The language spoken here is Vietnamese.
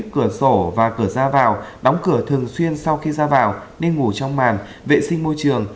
cửa sổ và cửa ra vào đóng cửa thường xuyên sau khi ra vào nên ngủ trong màn vệ sinh môi trường